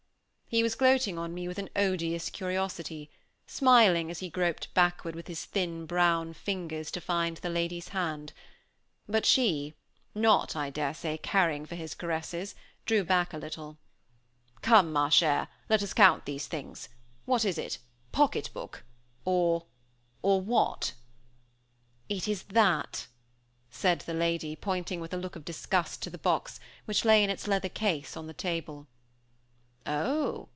He was gloating on me with an odious curiosity, smiling, as he groped backward with his thin brown fingers to find the lady's hand; but she, not (I dare say) caring for his caresses, drew back a little. "Come, ma chère, let us count these things. What is it? Pocket book? Or or what?" "It is that!" said the lady, pointing with a look of disgust to the box, which lay in its leather case on the table. "Oh!